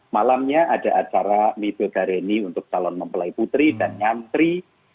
malamnya ada acara mipil gareni untuk talon mempelai putri